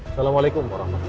assalamualaikum pak rahmat